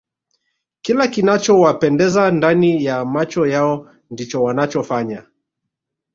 kila kinachowapendeza ndani ya macho yao ndicho wanachofanya